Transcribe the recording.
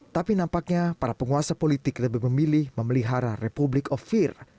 tapi nampaknya para penguasa politik lebih memilih memelihara republik of fear